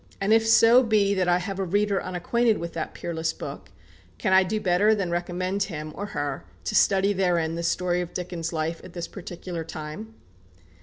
And if so be that I have a reader unacquainted with that peerless book, can I do better than recommend him, or her, to study therein the story of Dickens' life at this particular time?